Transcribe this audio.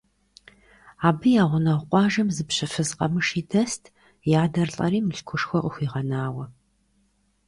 Абы я гъунэгъу къуажэм зы пщы фыз къэмыши дэст, и адэр лӀэри мылъкушхуэ къыхуигъэнауэ.